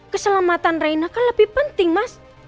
keselamatan reina kan lebih penting mas